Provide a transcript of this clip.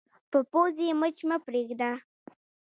په پوزې مچ مه پرېږده